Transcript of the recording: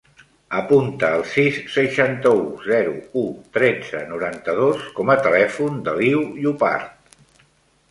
Apunta el sis, seixanta-u, zero, u, tretze, noranta-dos com a telèfon de l'Iu Llopart.